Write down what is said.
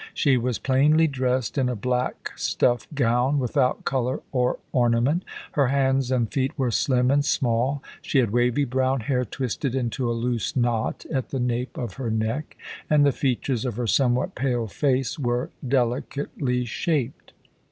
She was plainly dressed in a black stuff gown, without colour or ornament. Her hands and feet were slim and small; she had wavy brown hair twisted into a loose knot at the nape of her neck, and the features of her somewhat pale face were delicately shaped.